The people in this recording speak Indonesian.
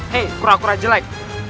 hei kurang kurang jelek